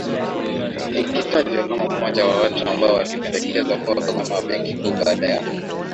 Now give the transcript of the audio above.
likitajwa kama mmoja wa watu ambao walipendekezwa kuwa Gavana wa Benki Kuu baada ya